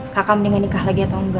kakak mendingan nikah lagi atau enggak